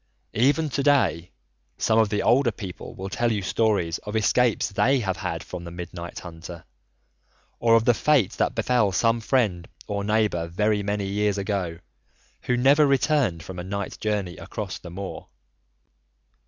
Even to day some of the older people will tell you stories of escapes they have had from the Midnight Hunter, or of the fate that befell some friend or neighbour very many years ago who never returned from a night journey across the moor.